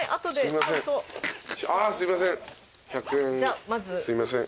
あすいません！